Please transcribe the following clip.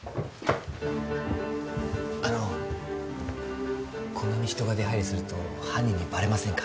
あのこんなに人が出入りすると犯人にバレませんか？